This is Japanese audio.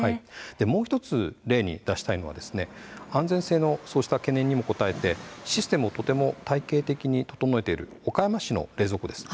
もう１つ、例に出したいのは安全性の懸念にも応えてシステムをとても体系的に整えている岡山市の冷蔵庫です。